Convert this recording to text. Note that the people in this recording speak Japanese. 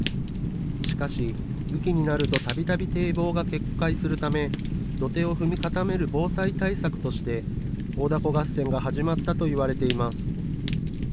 しかし、雨期になるとたびたび堤防が決壊するため、土手を踏み固める防災対策として、大凧合戦が始まったといわれています。